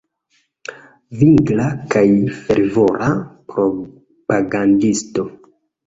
Vigla kaj fervora propagandisto.